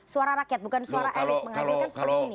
suara rakyat bukan suara elit menghasilkan seperti ini